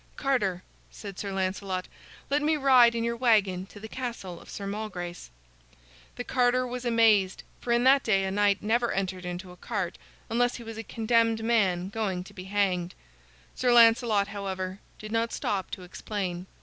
"Carter," said Sir Lancelot, "let me ride in your wagon to the castle of Sir Malgrace." The carter was amazed, for in that day a knight never entered into a cart unless he was a condemned man going to be hanged. Sir Lancelot, however, did not stop to explain.